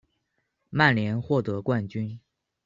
曼联获得冠军。